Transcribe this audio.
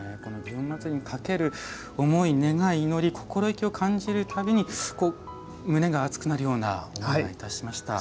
祇園祭にかける思い、願い、祈り心意気を感じるたびに胸が熱くなるような思いがいたしました。